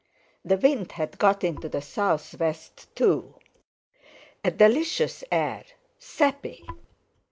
The wind had got into the sou' west, too—a delicious air, sappy!